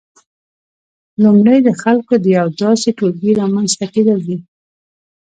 لومړی د خلکو د یو داسې ټولګي رامنځته کېدل دي